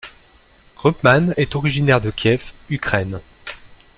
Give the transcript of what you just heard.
Gruppman est originaire de Kiev, Ukraine.